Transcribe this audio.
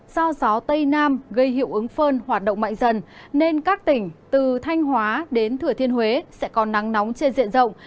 do gió tây nam gây hiệu ứng phơn hoạt động mạnh dần nên các tỉnh từ thanh hóa đến thừa thiên huế sẽ có nắng nóng trên diện rộng